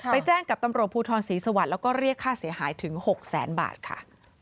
แจ้งกับตำรวจภูทรศรีสวรรค์แล้วก็เรียกค่าเสียหายถึง๖แสนบาทค่ะ